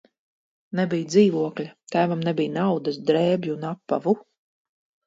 Nebija dzīvokļa, tēvam nebija naudas, drēbju un apavu.